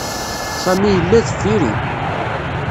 Sami yella deffir-i.